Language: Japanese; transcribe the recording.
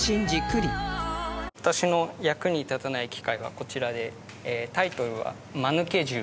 私の役に立たない機械はこちらでタイトルはまぬけ銃。